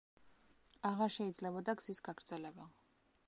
აღარ შეიძლებოდა გზის გაგრძელება.